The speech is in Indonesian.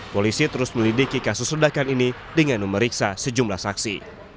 polisi terus melidiki kasus ledakan ini dengan memeriksa sejumlah saksi